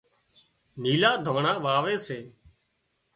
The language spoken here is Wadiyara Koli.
نيلُا ڌانڻا واوي سي